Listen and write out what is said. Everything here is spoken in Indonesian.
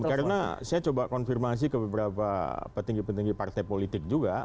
karena saya coba konfirmasi ke beberapa petinggi petinggi partai politik juga